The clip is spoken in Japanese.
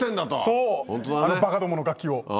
そうあのバカどもの楽器を。